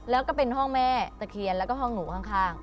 แล้วก็เป็นห้องแม่ตะเคียนแล้วก็ห้องหนูข้าง